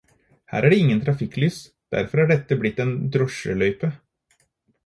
Her er det ingen trafikklys, derfor er dette blitt en drosjeløype.